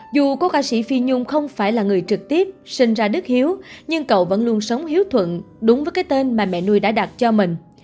dù có ca sĩ phi nhung không phải là người trực tiếp sinh ra đức hiếu nhưng cậu vẫn luôn sống hiếu thuận đúng với cái tên mà mẹ nuôi đã đặt cho mình